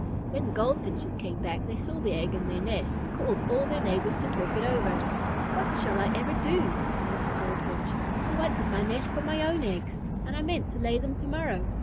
When the Goldfinches came back, they saw the egg in their nest and called all their neighbors to talk it over. "What shall I ever do?" said Mrs. Goldfinch. "I wanted my nest for my own eggs, and I meant to lay them to morrow.